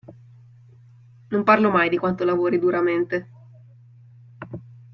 Non parlo mai di quanto lavori duramente.